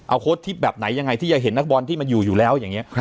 เอาโค้ดที่แบบไหนยังไงที่จะเห็นนักบอลที่มันอยู่อยู่แล้วอย่างนี้